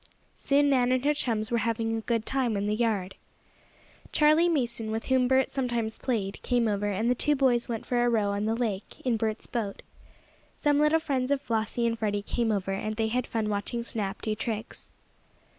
Soon Nan and her chums were having good time in the yard. Charley Mason, with whom Bert sometimes played, came over, and the two boys went for a row on the lake, in Bert's boat. Some little friends of Flossie and Freddie came over, and they had fun watching Snap do tricks.